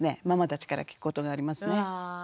ママたちから聞くことがありますね。